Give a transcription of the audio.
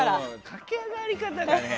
駆け上がり方がね